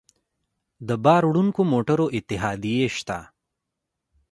د بار وړونکو موټرو اتحادیې شته